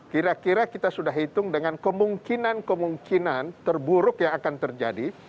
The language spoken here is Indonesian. kira kira kita sudah hitung dengan kemungkinan kemungkinan terburuk yang akan terjadi